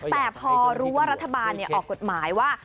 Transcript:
แต่พอรู้ว่ารัฐบาลออกกฎหมายว่า